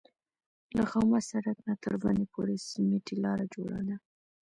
له خامه سړک نه تر ونې پورې سمټي لاره جوړه ده.